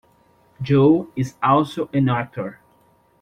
Joe is also an actor.